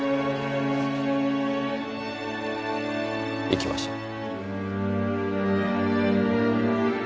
行きましょう。